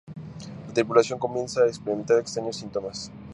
La tripulación comienza a experimentar extraños síntomas.